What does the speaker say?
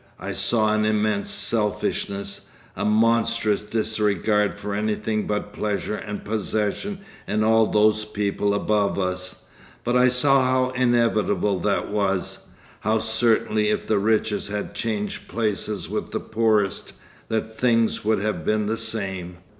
'I saw an immense selfishness, a monstrous disregard for anything but pleasure and possession in all those people above us, but I saw how inevitable that was, how certainly if the richest had changed places with the poorest, that things would have been the same.